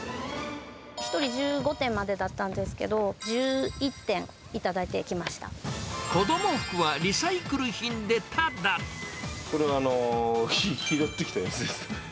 １人１５点までだったんです子ども服はリサイクル品でたこれは拾ってきたやつです。